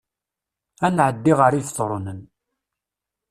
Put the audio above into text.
Ad nɛeddi ɣer Ibetṛunen